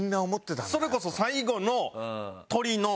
それこそ最後の。